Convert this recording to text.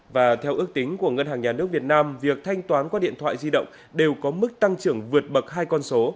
và theo ước tính của ngân hàng nhà nước việt nam việc thanh toán qua điện thoại di động đều có mức tăng trưởng vượt bậc hai con số